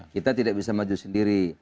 kita tidak bisa maju sendiri